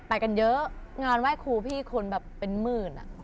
ไปกันเยอะงานว่ายครูพี่คนแบบเป็นมืนทุน